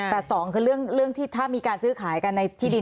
แต่สองคือเรื่องที่ถ้ามีการซื้อขายกันในที่ดิน